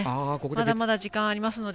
まだまだ時間はありますので。